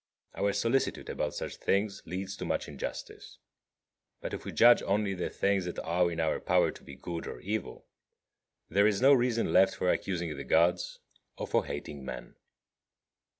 Our solicitude about such things leads to much injustice; but if we judge only the things that are in our power to be good or evil, there is no reason left for accusing the Gods or for hating men.